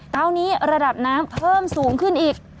ตอนนี้ระดับน้ำเพิ่มสูงขึ้นอีก